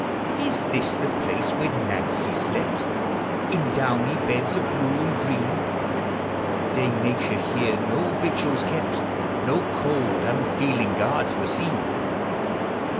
Is this the place where Nancy slept In downy beds of blue and green? Dame Nature here no vigils kept, No cold unfeeling guards were seen.